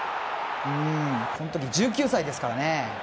この時１９歳ですからね。